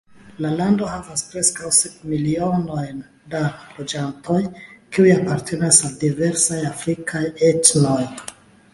La lando havas preskaŭ sep milionojn da loĝantoj, kiuj apartenas al diversaj afrikaj etnoj.